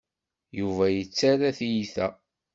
Yuba yettarra tiyita.